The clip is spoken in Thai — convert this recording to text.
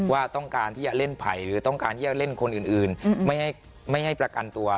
ว่าต้องการที่จะเล่นไผ่หรือต้องการที่จะเล่นคนอื่นไม่ให้ประกันตัว